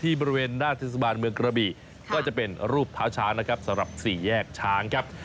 บริเวณหน้าเทศบาลเมืองกระบีก็จะเป็นรูปเท้าช้างนะครับสำหรับสี่แยกช้างครับ